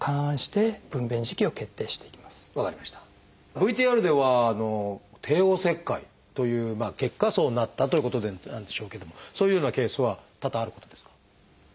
ＶＴＲでは帝王切開という結果そうなったということなんでしょうけどもそういうようなケースは多々あることですか？